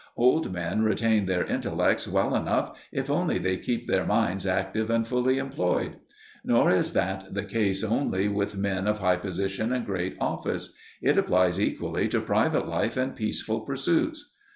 Old men retain their intellects well enough, if only they keep their minds active and fully employed. Nor is that the case only with men of high position and great office: it applies equally to private life and peaceful pursuits.